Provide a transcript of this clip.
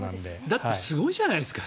だってすごいじゃないですか。